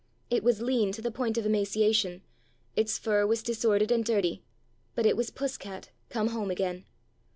It was lean to the point of emaciation, its fur was disordered and dirty, but it was Puss cat come home again.